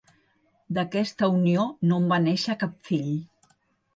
D'aquesta unió no en va néixer cap fill.